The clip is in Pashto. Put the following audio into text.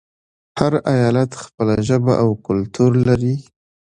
هر ایالت خپله ژبه او کلتور لري.